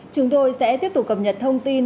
chúng tôi sẽ tiếp tục cập nhật thông tin